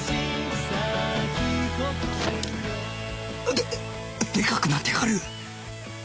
ででかくなってやがる！